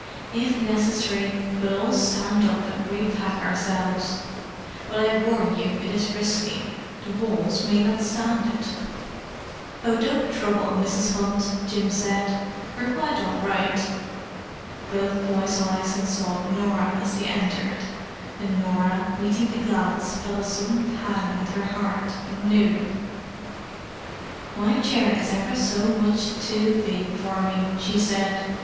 If necessary we'll all stand up and re pack ourselves, but I warn you it is risky: the walls may not stand it!" "Oh, don't trouble, Mrs. Hunt," Jim said. "We're quite all right." Both boys' eyes had sought Norah as they entered: and Norah, meeting the glance, felt a sudden pang at her heart, and knew. "My chair is ever so much too big for me," she said.